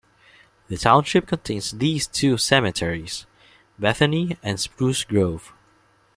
The township contains these two cemeteries: Bethany and Spruce Grove.